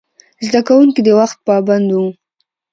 زده کوونکي د وخت پابند وو.